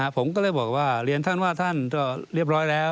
ผมก็เลยบอกว่าเรียนท่านว่าท่านก็เรียบร้อยแล้ว